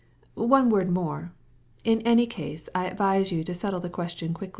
"One word more: in any case I advise you to settle the question soon.